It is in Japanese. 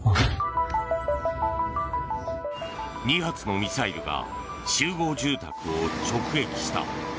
２発のミサイルが集合住宅を直撃した。